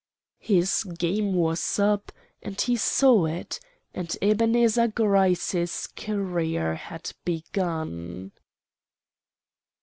"His game was up, and he saw it; and Ebenezer Gryce's career had begun.